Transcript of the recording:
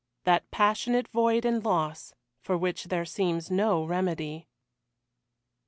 That passionate void and loss for which there seems no remedy.